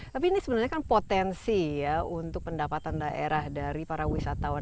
tapi ini sebenarnya kan potensi ya untuk pendapatan daerah dari para wisatawan